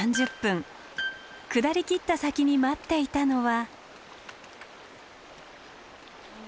下りきった先に待っていたのは。